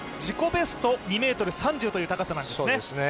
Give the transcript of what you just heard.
ベスト２ｍ３０という高さなんですね。